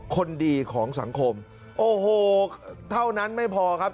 คนดีของสังคมโอ้โหเท่านั้นไม่พอครับ